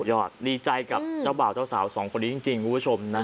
ดีใจกับเจ้าบ่าวเจ้าสาวสองคนนี้จริงคุณผู้ชมนะ